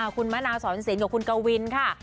คุณมะนาวสอนสินกับคุณกวินค่ะ